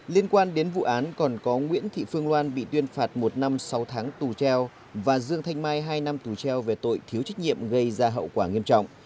liên quan đến vụ án còn có nguyễn thị phương loan bị tuyên phạt một năm sáu tháng tù treo và dương thanh mai hai năm tù treo về tội thiếu trách nhiệm gây ra hậu quả nghiêm trọng